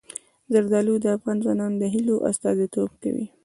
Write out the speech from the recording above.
زردالو د افغان ځوانانو د هیلو استازیتوب کوي.